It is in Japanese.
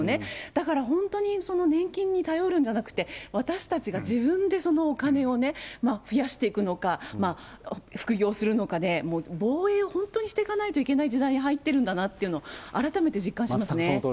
だから本当に年金に頼るんじゃなくて、私たちが自分でそのお金を増やしていくのか、副業するのかで、もう防衛を本当にしていかないといけない時代に入ってるんだなと全くそのとおりですね。